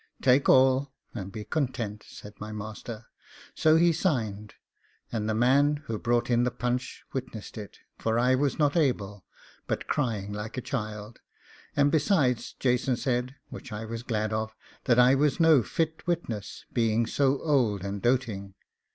'Take all, and be content,' said my master. So he signed; and the man who brought in the punch witnessed it, for I was not able, but crying like a child; and besides, Jason said, which I was glad of, that I was no fit witness, being so old and doting.